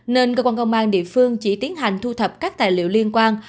nên cơ quan công an địa phương chỉ tiến hành thu thập các tài liệu liên quan